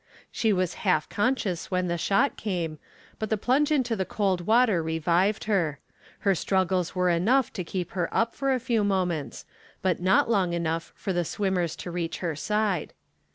She was half conscious when the shot came, but the plunge into the cold water revived her. Her struggles were enough to keep her up for a few moments, but not long enough for the swimmers to reach her side.